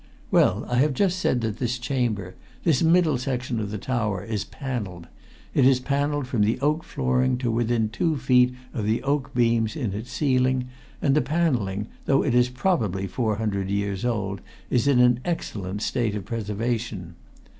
Well, I have just said that this chamber, this middle section of the tower, is panelled; it is panelled from the oak flooring to within two feet of the oak beams in its ceiling, and the panelling, though it is probably four hundred years old, is in an excellent state of preservation.